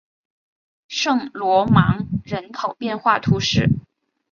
圣罗芒人口变化图示